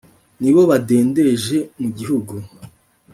Nibo badendeje mu gihugu.